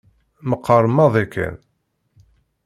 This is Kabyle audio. Meqqer maḍi kan.